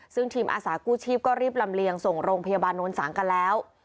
ซึ่งทีมอาสากู้ชีพก็รีบลำเลียงส่งโรงพยาบาลโน้นสางกันแล้ว